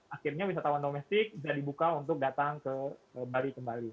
akhirnya wisatawan domestik bisa dibuka untuk datang ke bali kembali